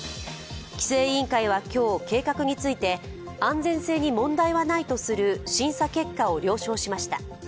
規制委員会は今日、計画について安全性に問題はないとする審査結果を了承しました。